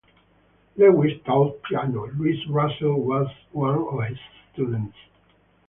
Lewis taught piano; Luis Russell was one of his students.